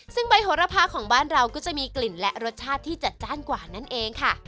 ซึ่งใบโหระพาของบ้านเราก็จะมีกลิ่นและรสชาติที่จัดจ้านกว่านั่นเองค่ะ